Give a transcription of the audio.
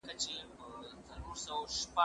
زه هره ورځ کالي وچوم،